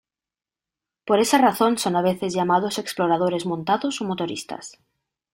Por esa razón, son, a veces, llamados exploradores montados o motoristas.